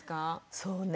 そうね